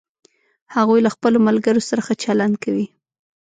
هغوی له خپلوملګرو سره ښه چلند کوي